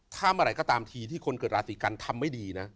ถ้าเมื่อไหร่ก็ตามทีที่คนเกิดราศีกันทำไม่ดีนะ